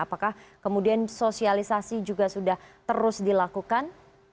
apakah kemudian sosialisasi juga sudah terus dilakukan